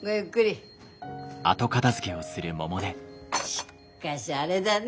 しっかしあれだね。